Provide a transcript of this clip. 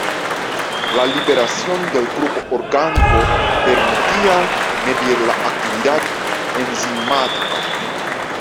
La liberación del grupo orgánico permitía medir la actividad enzimática.